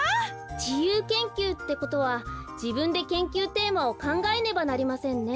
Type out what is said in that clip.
じゆう研究ってことはじぶんで研究テーマをかんがえねばなりませんね。